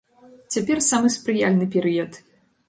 Цяпер самы спрыяльны перыяд.